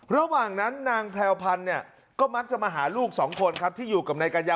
ระหว่างนั้นนางแพรวพันธ์เนี่ยก็มักจะมาหาลูกสองคนครับที่อยู่กับนายกัญญา